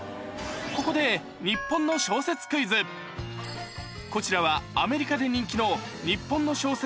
ここで日本のこちらはアメリカで人気の日本の小説